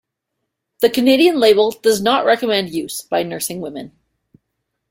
The Canadian labeling does not recommend use by nursing women.